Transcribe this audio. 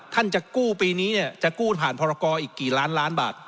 จะกู้ปีนี้เนี่ยจะกู้ผ่านพรกรอีกกี่ล้านล้านบาท